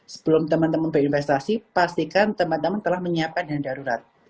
sebelum teman teman berinvestasi pastikan teman teman telah menyiapkan dana darurat